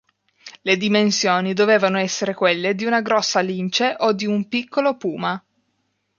Le dimensioni dovevano essere quelle di una grossa lince o di un piccolo puma.